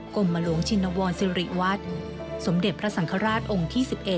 กรมหลวงชินวรสิริวัฒน์สมเด็จพระสังฆราชองค์ที่๑๑